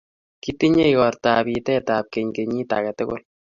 Kitinye igortab pitetab keny kenyiit age tugul.